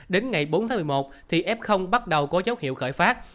đến ngày bốn tháng một mươi một thì f bắt đầu có dấu hiệu khởi phát